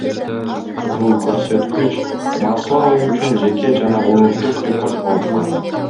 Бул көрсөткүч Маслова үчүн жеке жана улуттук рекорд болуп калган.